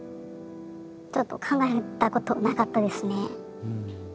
ちょっと考えたことなかったですね。